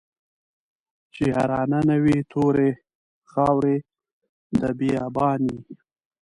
چې ياران نه وي توري خاوري د بيا بان يې